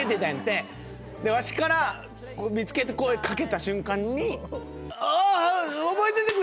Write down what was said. でわしから見つけて声掛けた瞬間に。